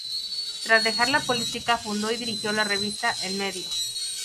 Tras dejar la política, fundó y dirigió la revista "El Medio".